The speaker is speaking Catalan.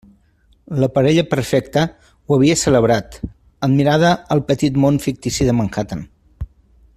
La parella perfecta ho havia celebrat, admirada al petit món fictici de Manhattan.